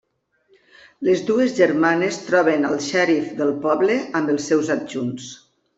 Les dues germanes troben el xèrif del poble amb els seus adjunts.